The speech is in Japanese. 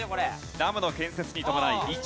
ダムの建設に伴い移築。